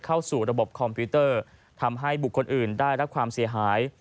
เข้าสู่ระบบคอมพิวเตอร์ทำให้บุคคลอื่นได้รับความเสียหาย